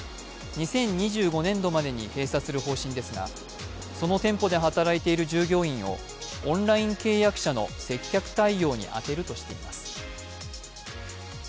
２０２５年度までに閉鎖する方針ですがその店舗で働いている従業員をオンライン契約者の接客対応に充てるとしています。